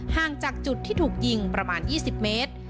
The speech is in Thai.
ห่างจากจุดที่ถูกยิงประมาณ๒๐เมตร